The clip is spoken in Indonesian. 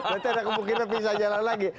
dan tidak kemungkinan bisa jalan lagi